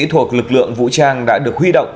thuộc lực lượng vũ trang đã được huy động